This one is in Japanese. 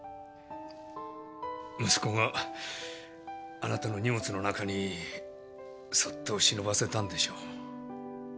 息子があなたの荷物の中にそっと忍ばせたんでしょう。